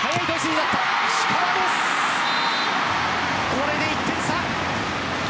これで１点差。